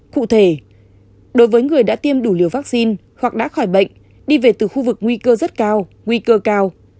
cụ thể đối với người đã tiêm đủ liều vaccine hoặc đã khỏi bệnh đi về từ khu vực nguy cơ rất cao nguy cơ cao